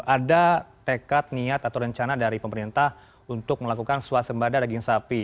ada tekad niat atau rencana dari pemerintah untuk melakukan swasembada daging sapi